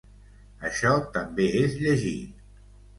Això també és llegir.